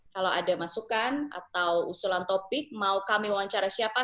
kalau ada masukan atau usulan topik mau kami wawancara siapa